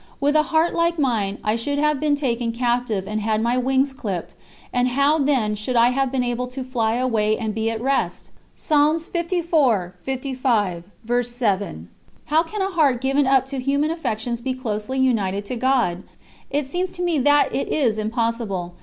With a heart like mine, I should have been taken captive and had my wings clipped, and how then should I have been able to "fly away and be at rest"? How can a heart given up to human affections be closely united to God? It seems to me that it is impossible.